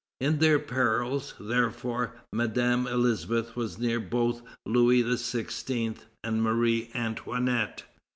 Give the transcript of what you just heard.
In their perils, therefore, Madame Elisabeth was near both Louis XVI. and Marie Antoinette.